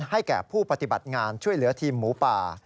แก่ผู้ปฏิบัติงานช่วยเหลือทีมหมูป่า